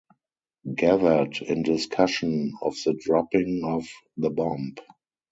Gathered in discussion of the dropping of The Bomb;